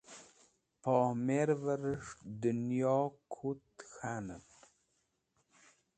Pomervẽres̃h dẽnyo kut k̃hanẽn.